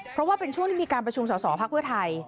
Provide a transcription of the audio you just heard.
เพราะว่าเป็นช่วงที่มีการประชุมสอสอพักเพื่อไทย